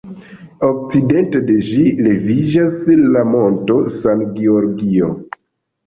Okcidente de ĝi leviĝas la Monto San Giorgio.